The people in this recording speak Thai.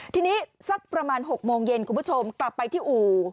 ทีนี้สักประมาณ๖โมงเย็นคุณผู้ชมกลับไปที่อู่